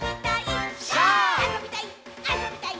あそびたい！